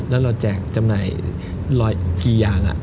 แล้วเราแจกจำหน่ายกี่อย่าง